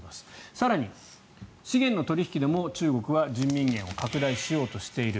更に、資源の取引でも中国は人民元を拡大しようとしている。